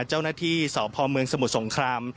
เจ้าหน้าที่สพเมืองสมุทรสงคราม